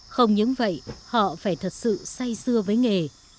không những vậy họ phải thật sự say xưa với nghề